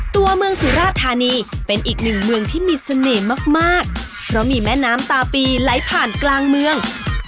ตัวเมืองสุราธานีเป็นอีกหนึ่งเมืองที่มีเสน่ห์มากมากเพราะมีแม่น้ำตาปีไหลผ่านกลางเมือง